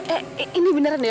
eh ini beneran deh